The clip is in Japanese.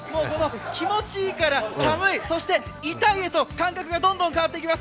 気持ちいいから寒い、そして痛いへと感覚がどんどん変わっていきます。